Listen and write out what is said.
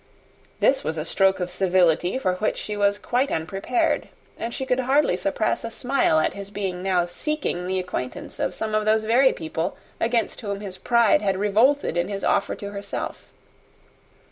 This was a stroke of civility for which she was quite unprepared; and she could hardly suppress a smile at his being now seeking the acquaintance of some of those very people, against whom his pride had revolted, in his offer to herself.